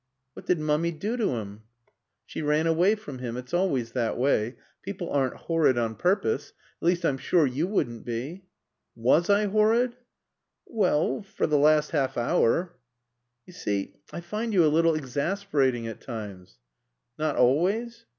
"What did Mummy do to him?" "She ran away from him. It's always that way. People aren't horrid on purpose. At least I'm sure you wouldn't be." "Was I horrid?" "Well for the last half hour " "You see, I find you a little exasperating at times." "Not always?"